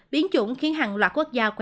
biến chủng khiến hàng loạt quốc gia khỏe